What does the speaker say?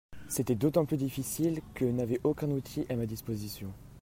C'était d'autant plus difficile que n'avais aucun outil à ma disposition.